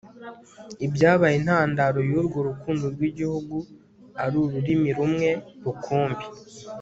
ibyabaye intandaro y'urwo rukundo rw'igihugu, ari ururimi rumwe rukumbi